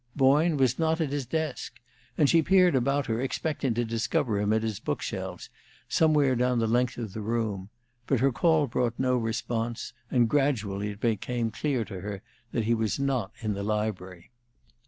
Boyne was not at his desk, and she peered about her, expecting to discover him at the book shelves, somewhere down the length of the room; but her call brought no response, and gradually it became clear to her that he was not in the library.